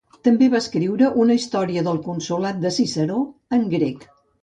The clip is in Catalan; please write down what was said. També va escriure una història del consolat de Ciceró en grec.